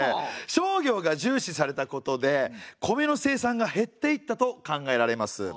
商業が重視されたことで米の生産が減っていったと考えられます。